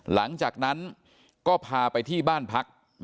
หลังจากนั้นก็พาไปที่บ้านพัก